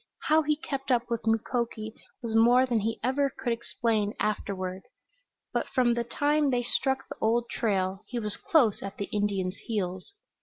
How he kept up with Mukoki was more than he ever could explain afterward. But from the time they struck the old trail he was close at the Indian's heels.